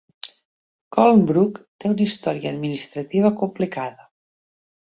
Colnbrook té una història administrativa complicada.